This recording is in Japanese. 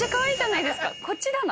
こっちだな。